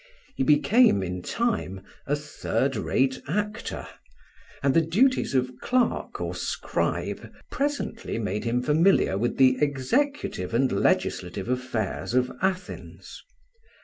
He became in time a third rate actor, and the duties of clerk or scribe presently made him familiar with the executive and legislative affairs of Athens.